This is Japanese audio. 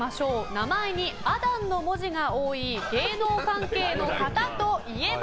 名前にあ段の文字が多い芸能関係の方といえば？